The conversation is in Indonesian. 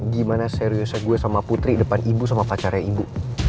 gimana seriusnya gue sama putri depan ibu sama pacarnya ibu